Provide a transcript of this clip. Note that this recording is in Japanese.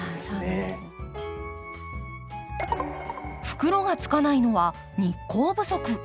袋がつかないのは日光不足。